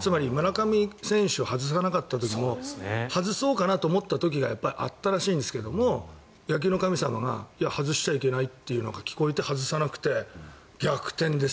つまり村上選手を外さなかった時も外そうかなと思った時があったらしいんですが野球の神様が外しちゃいけないっていうのが聞こえて外さなくて、逆転ですよ。